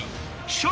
［笑